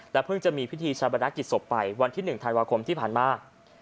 และเพิ่งจะมีพิธีชาบรักษ์กิจศพไปวันที่๑ทายวาคมที่ผ่านมา